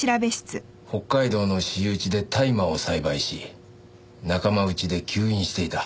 北海道の私有地で大麻を栽培し仲間内で吸引していた。